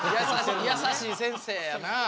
優しい先生やな。